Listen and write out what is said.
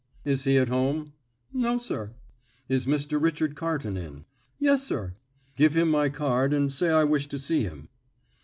"Is he at home?" "No, sir." "Is Mr. Richard Carton in?" "Yes, sir." "Give him my card, and say I wish to see him."